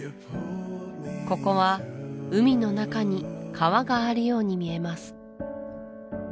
ここは海の中に川があるように見えます